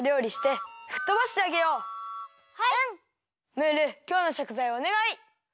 ムールきょうのしょくざいをおねがい！